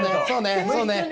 そうね。